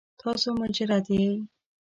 تاسو مجرد یې؟